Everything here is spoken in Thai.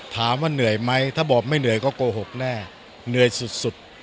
ถามว่าเหนื่อยไหมถ้าบอกไม่เหนื่อยก็โกหกแน่เหนื่อยสุด